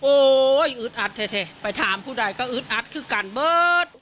อึดอัดเถอะไปถามผู้ใดก็อึดอัดคือการเบิร์ต